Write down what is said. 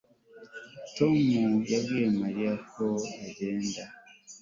Tom yabwiye Mariya ko agenda